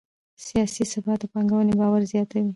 سیاسي ثبات د پانګونې باور زیاتوي